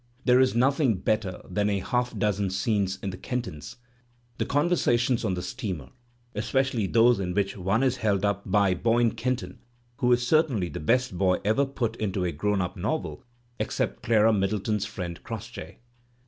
There is nothing better than a half dozen scenes in ""The Kentons," the conversations on the steamer, especially those ; in which one end is held up by Boyne Kenton, who is cer f tainly the best boy ever put into a grown up novel, ^cept / Clara Middleton's friend Crossjay.